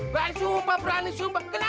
berani sumpah berani sumpah